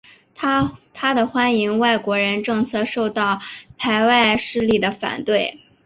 他的欢迎外国人政策受到排外势力的反对。